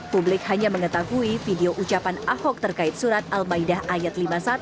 publik hanya mengetahui video ucapan ahok terkait surat al maidah ⁇ ayat lima puluh satu